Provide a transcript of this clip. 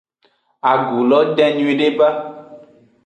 Agu lo den nyuiede ba.